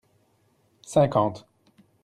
cinquante.